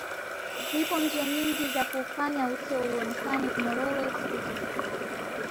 Zipo njia nyingi za kuufanya uso uonekane mororo siku zote